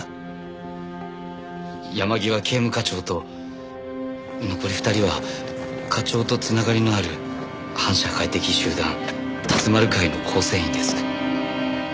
山際警務課長と残り２人は課長と繋がりのある反社会的集団竜丸会の構成員です。